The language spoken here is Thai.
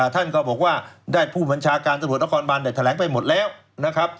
ท่านก็บอกว่าได้ผู้บัญชาการตำรวจนครบานแถลงไปหมดแล้วนะครับ